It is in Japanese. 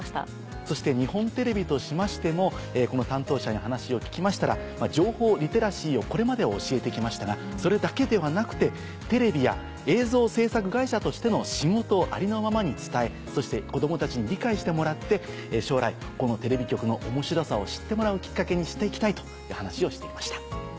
そして日本テレビとしましてもこの担当者に話を聞きましたら情報リテラシーをこれまでは教えてきましたがそれだけではなくてテレビや映像制作会社としての仕事をありのままに伝えそして子供たちに理解してもらって将来このテレビ局の面白さを知ってもらうきっかけにしていきたいという話をしていました。